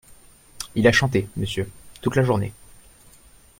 Il a chanté, monsieur, toute la journée.